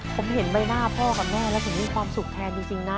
ผมเห็นใบหน้าพ่อกับแม่แล้วผมมีความสุขแทนจริงนะ